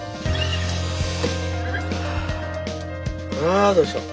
うわどうしよう。